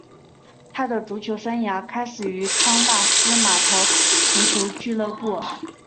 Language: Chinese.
他的足球生涯开始于康纳斯码头足球俱乐部。